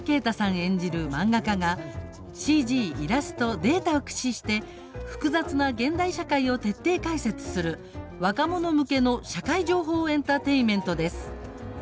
演じる漫画家がＣＧ、イラスト、データを駆使して複雑な現代社会を徹底解説する若者向けの社会情報エンターテインメントです。